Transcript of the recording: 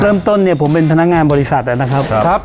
เริ่มต้นเนี่ยผมเป็นพนักงานบริษัทอะนะครับครับครับ